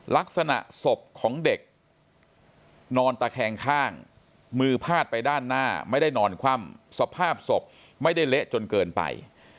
ลักษณะศพของเด็กนอนตะแคงข้างมือพาดไปด้านหน้าไม่ได้นอนคว่ำสภาพศพไม่ได้เละจนเกินไป